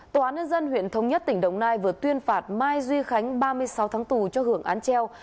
tòa án nhân dân huyện thống nhất tỉnh đồng nai vừa tuyên phạt mai duy khánh ba mươi sáu tháng tù cho hưởng án treo